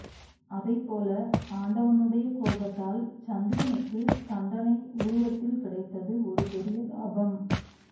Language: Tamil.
அதைப்போல, ஆண்டவனுடைய கோபத்தால் சந்திரனுக்குத் தண்டனை உருவத்தில் கிடைத்தது ஒரு பெரிய லாபம்.